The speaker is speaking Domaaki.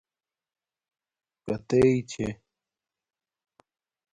کتݵئ چھݺ؟